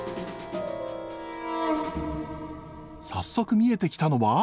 早速見えてきたのは。